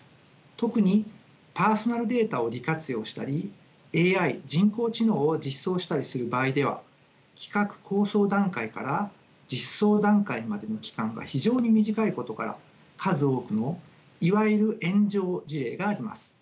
特にパーソナルデータを利活用したりＡＩ人工知能を実装したりする場合では企画構想段階から実装段階までの期間が非常に短いことから数多くのいわゆる炎上事例があります。